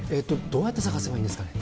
どうやって探せばいいんですかね？